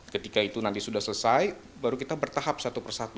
ketika itu nanti sudah selesai baru kita bertahap satu persatu